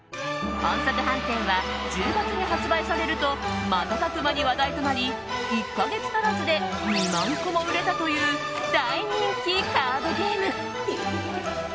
音速飯店は１０月に発売されると瞬く間に話題となり１か月足らずで２万個も売れたという大人気カードゲーム。